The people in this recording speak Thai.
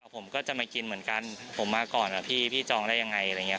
ผมก็จะมากินเหมือนกันผมมาก่อนพี่จองได้ยังไงอะไรอย่างนี้